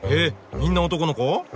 みんな男の子？